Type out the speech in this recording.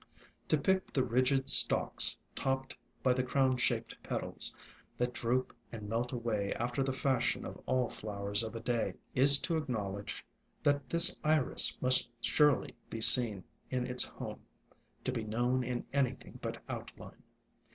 To pick the rigid stalks, topped by the crown shaped petals, that droop and melt away after the fashion of all flowers of a day, is to acknowledge that this Iris must surely be seen in its home to be known in anything but outline.